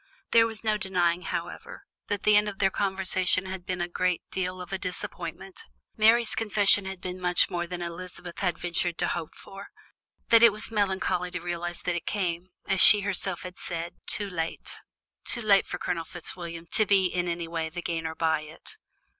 There was no denying, however, that the end of their conversation had been a good deal of a disappointment. Mary's confession had been so much more than Elizabeth had ventured to hope for, that it was melancholy to realize that it came, as she herself had said, too late; too late for Colonel Fitzwilliam to be in any way the gainer by it.